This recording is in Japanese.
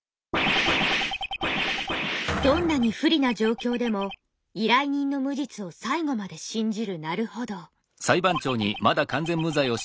どんなに不利な状況でも依頼人の無実を最後まで信じる成歩堂。